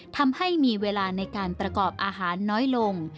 ทำให้มีเวลาในการประกอบอาหารน้อยลง